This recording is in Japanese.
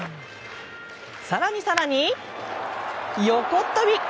更に更に横っ飛び！